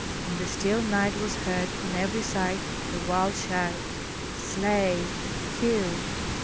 In the still night was heard on every side the wild shouts: "Slay! kill!"